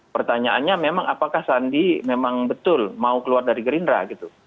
pertanyaannya memang apakah sandi memang betul mau keluar dari gerindra gitu